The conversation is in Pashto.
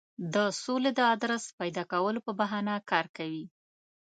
د سولې د آدرس پیدا کولو په بهانه کار کوي.